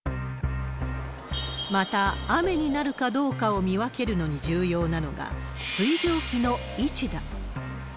また、雨になるかどうかを見分けるのに重要なのが、水蒸気の位置だ。